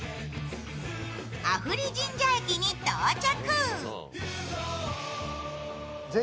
阿夫利神社駅に到着。